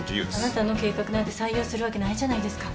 あなたの計画なんて採用するわけないじゃないですか。